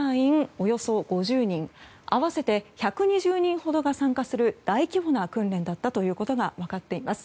およそ５０人合わせて１２０人ほどが参加する大規模な訓練だったということが分かっています。